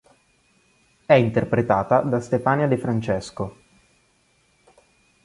È interpretata da Stefania De Francesco.